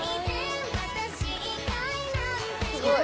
すごい！